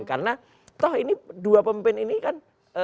karena toh ini dua pemimpin ini kan